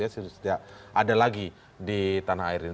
tidak ada lagi di tanah air ini